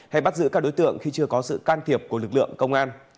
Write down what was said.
hay bắt giữ các đối tượng khi chưa có sự can thiệp của lực lượng công an